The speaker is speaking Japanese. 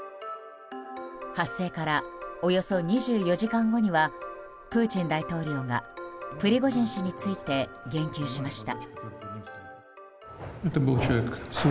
発生から、およそ２４時間後にはプーチン大統領がプリゴジン氏について言及しました。